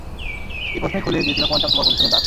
এই প্রশ্নই খুলে দিয়েছিল কোয়ান্টাম সুপারপজিশনের দ্বার।